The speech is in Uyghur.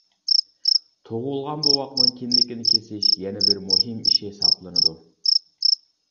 تۇغۇلغان بوۋاقنىڭ كىندىكىنى كېسىش يەنە بىر مۇھىم ئىش ھېسابلىنىدۇ.